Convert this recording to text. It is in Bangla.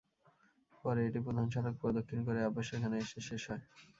পরে এটি প্রধান সড়ক প্রদক্ষিণ করে আবার সেখানে এসে শেষ হয়।